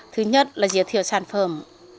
thứ nhất là giới thiệu sản phẩm